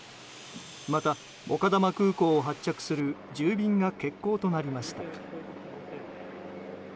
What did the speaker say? また、丘珠空港を発着する１０便が欠航となりました。